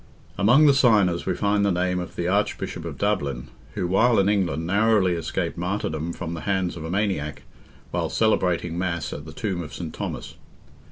Among the signers we find the name of the Archbishop of Dublin, who, while in England, narrowly escaped martyrdom from the hands of a maniac, while celebrating Mass at the tomb of St. Thomas.